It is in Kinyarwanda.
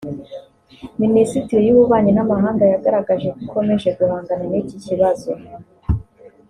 Minisiteri y’Ububanyi n’Amahanga yagaragaje ko ikomeje guhangana n’iki kibazo